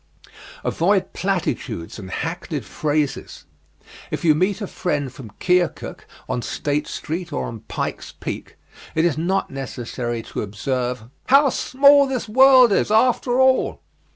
Avoid platitudes and hackneyed phrases. If you meet a friend from Keokuk on State Street or on Pike's Peak, it is not necessary to observe: "How small this world is after all!"